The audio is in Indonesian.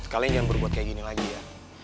kalian jangan berbuat kayak gini lagi ya